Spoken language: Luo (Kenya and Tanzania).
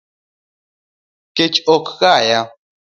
Kech ok kaya